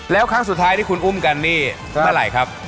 แล้วครั้งสุดท้ายที่คุณอุ้มกันนี่เมื่อไหร่ครับ